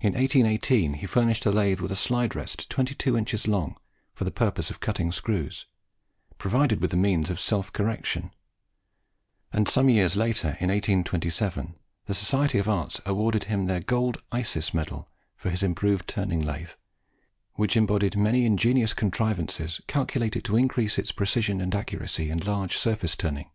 In 1818, he furnished the lathe with a slide rest twenty two inches long, for the purpose of cutting screws, provided with the means of self correction; and some years later, in 1827, the Society of Arts awarded him their gold Isis medal for his improved turning lathe, which embodied many ingenious contrivances calculated to increase its precision and accuracy in large surface turning.